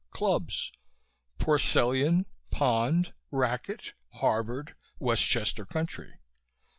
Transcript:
Clubs: Porcellian, Pond, Racquet, Harvard, Westchester Country.